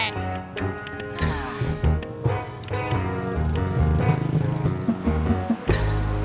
pukul tadi gak nyampe